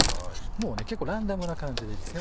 もう結構ランダムな感じでいいですね。